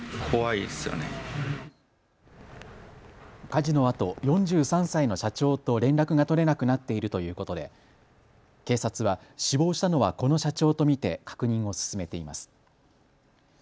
火事のあと４３歳の社長と連絡が取れなくなっているということで警察は死亡したのはこの社長と見て確認を進めています。